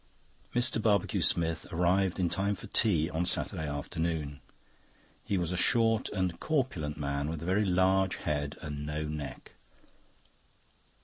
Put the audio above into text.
Mr. Barbecue Smith arrived in time for tea on Saturday afternoon. He was a short and corpulent man, with a very large head and no neck.